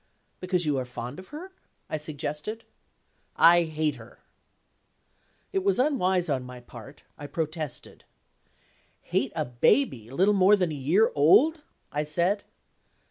"Because you are fond of her?" I suggested. "I hate her." It was unwise on my part I protested. "Hate a baby little more than a year old!" I said.